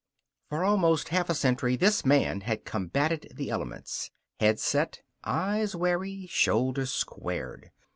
For almost half a century this man had combated the elements, head set, eyes wary, shoulders squared.